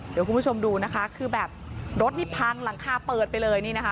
เดี๋ยวคุณผู้ชมดูนะคะคือแบบรถนี่พังหลังคาเปิดไปเลยนี่นะคะ